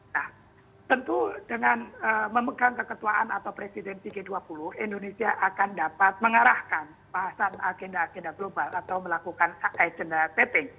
nah tentu dengan memegang keketuaan atau presidensi g dua puluh indonesia akan dapat mengarahkan bahasan agenda agenda global atau melakukan agenda tapping